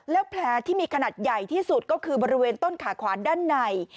แล้วแผลที่มีขนาดใหญ่ที่สุดก็คือบริเวณต้นขาขวาด้านใน